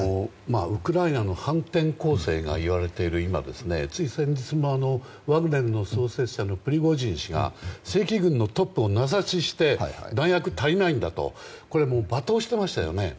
ウクライナの反転攻勢がいわれている今つい先日も、ワグネルの創設者のプリゴジン氏が正規軍のトップを名指しして弾薬が足りないんだと罵倒していましたよね。